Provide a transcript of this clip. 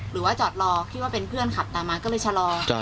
หรือว่าจอดรอคิดว่าเป็นเพื่อนขับตามมาก็เลยชะลอ